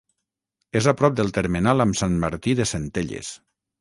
És a prop del termenal amb Sant Martí de Centelles.